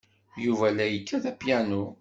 Yuba la yekkat apyanu.